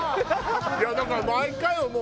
いやだから毎回思う。